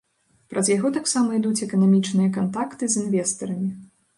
Праз яго таксама ідуць эканамічныя кантакты з інвестарамі.